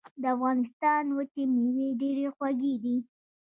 د افغانستان وچې مېوې ډېرې خوږې دي.